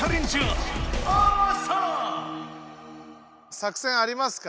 作戦ありますか？